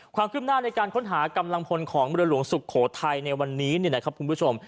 ความคืบหน้าในการค้นหากำลังพลของเรือหลวงสุโขทัยในวันนี้นะครับคุณผู้ชม